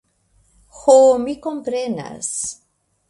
Ho, mi komprenas.